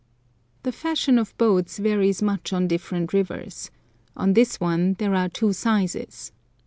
The fashion of boats varies much on different rivers. On this one there are two sizes.